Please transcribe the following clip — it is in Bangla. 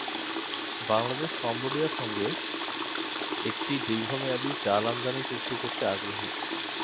বাংলাদেশ কম্বোডিয়া সঙ্গে একটি দীর্ঘমেয়াদী চাল আমদানি চুক্তি করতে আগ্রহী।